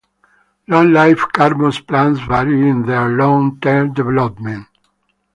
Long-lived cormous plants vary in their long-term development.